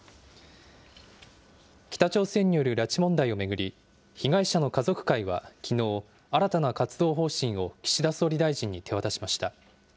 北朝鮮による拉致問題を巡り、被害者の家族会はきのう、新たな活動方針を岸田総理大臣に手渡しました。